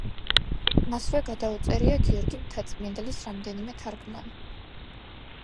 მასვე გადაუწერია გიორგი მთაწმიდლის რამდენიმე თარგმანი.